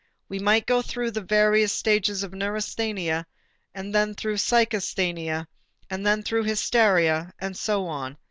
We might go through the various stages of neurasthenia and then through psychasthenia and then through hysteria and so on.